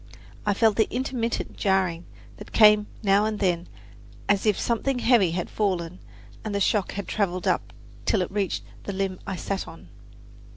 I felt the intermittent jarring that came now and then, as if something heavy had fallen and the shock had traveled up till it reached the limb I sat on.